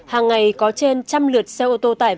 hàng ngày có trên trăm lượt xe ô tô tải